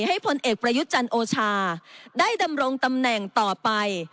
ให้ผลเอกประยุจรรย์โอชาได้ดำรงตำแหน่งต่อไป